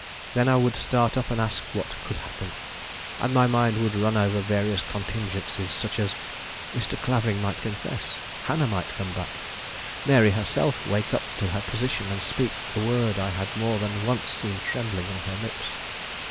Then I would start up and ask what could happen; and my mind would run over various contingencies, such as, Mr. Clavering might confess; Hannah might come back; Mary herself wake up to her position and speak the word I had more than once seen trembling on her lips.